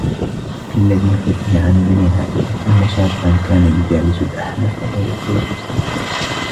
كَاَلَّذِي حُكِيَ عَنْ ابْنِ عَائِشَةَ أَنَّ شَابًّا كَانَ يُجَالِسُ الْأَحْنَفَ وَيُطِيلُ الصَّمْتَ